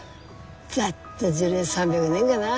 ざっと樹齢３００年がな。